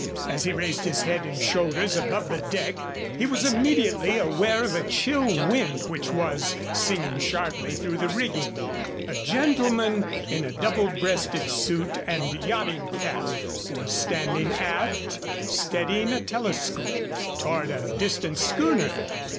As he raised his head and shoulders above the deck he was immediately aware of a chill wind which was singing sharply through the rigging. A gentleman, in a double breasted suit and yachting cap, was standing aft steadying a telescope toward a distant schooner.